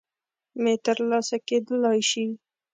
م ترلاسه کېدلای شي